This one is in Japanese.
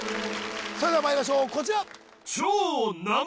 それではまいりましょうこちら